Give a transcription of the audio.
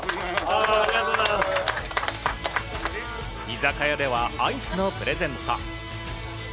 居酒屋ではアイスのプレゼント。